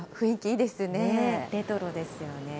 レトロですよね。